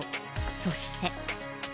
そして。